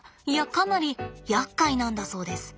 かなりやっかいなんだそうです。